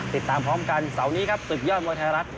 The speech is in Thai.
ติดตามพร้อมกันเสอนี้ครับ